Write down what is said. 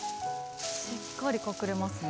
しっかり隠れますね。